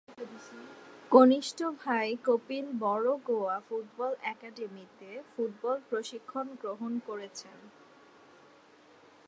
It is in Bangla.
কনিষ্ঠ ভাই কপিল বড়ো গোয়া ফুটবল একাডেমীতে ফুটবল প্রশিক্ষণ গ্রহণ করেছেন।